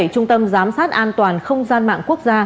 trung tâm giám sát an toàn không gian mạng quốc gia